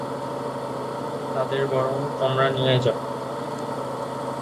তাদের বরং তমরা নিয়ে যাও।